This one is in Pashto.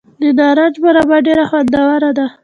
د نارنج مربا ډیره خوندوره ده.